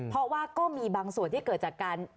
เพราะว่าก็มีบางส่วนที่เกิดจากการ